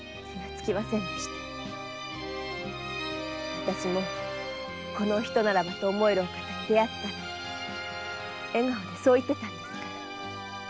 「わたしもこのお人ならと思えるお方に出会った」なんて笑顔でそう言ってたんですから。